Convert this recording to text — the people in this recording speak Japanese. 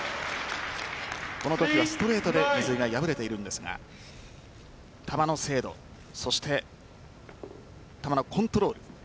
このときはストレートで水井が敗れているんですが球の精度球のコントロール。